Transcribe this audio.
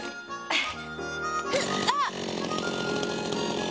あっ！